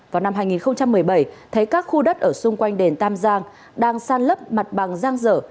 vào năm hai nghìn một mươi bảy thấy các khu đất ở xung quanh đền tam giang đang san lấp mặt bằng giang dở